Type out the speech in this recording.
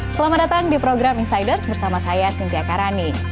selamat datang di program insiders bersama saya cynthia karani